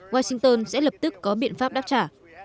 washington sẽ lập tức có biện pháp đáp trả